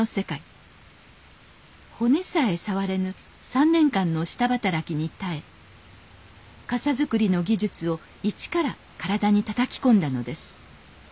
骨さえ触れぬ３年間の下働きに耐え傘作りの技術を一から体にたたき込んだのです。